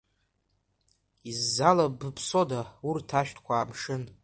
Иззалабыԥсода урҭ ашәҭқәа амшын?